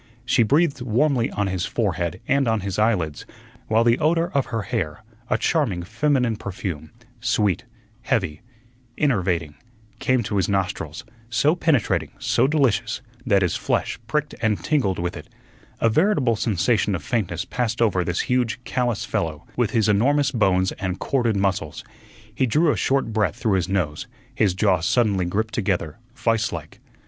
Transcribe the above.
She breathed warmly on his forehead and on his eyelids, while the odor of her hair, a charming feminine perfume, sweet, heavy, enervating, came to his nostrils, so penetrating, so delicious, that his flesh pricked and tingled with it; a veritable sensation of faintness passed over this huge, callous fellow, with his enormous bones and corded muscles. He drew a short breath through his nose; his jaws suddenly gripped together vise like.